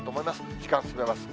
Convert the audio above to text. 時間進めます。